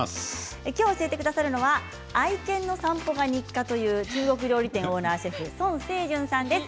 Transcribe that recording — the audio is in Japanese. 今日、教えてくださるのは愛犬の散歩が日課という中国料理店オーナーシェフの孫成順さんです。